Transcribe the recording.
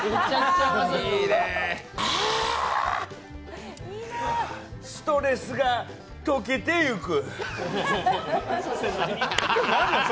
あストレスが溶けてゆく。